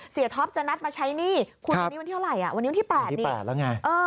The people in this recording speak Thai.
เสียท็อปจะนัดมาใช้หนี้คุณวันที่วันที่๘นี่คุณวันที่๘แล้วไงครับ